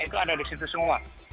itu ada disitu semua